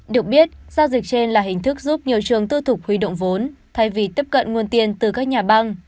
được biết giao dịch trên là hình thức giúp nhiều trường tư thục huy động vốn thay vì tiếp cận nguồn tiền từ các nhà băng